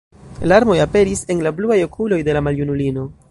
Larmoj aperis en la bluaj okuloj de la maljunulino.